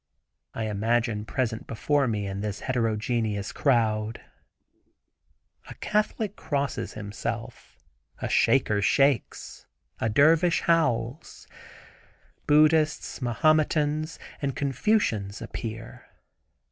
I imagine present before me this heterogeneous crowd. A Catholic crosses himself, a Shaker shakes, a dervish howls; Buddhists, Mahometans, and Confucians appear.